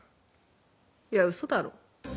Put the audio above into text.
いや嘘だろ？